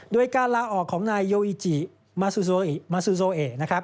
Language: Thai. โดยการละออกของนายโยอิจิมาซุโซเอนะครับ